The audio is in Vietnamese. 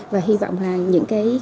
và hy vọng là những cái